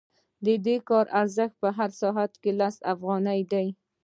د کار ارزښت په هر ساعت کې لس افغانۍ دی